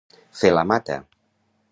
Fer la mata.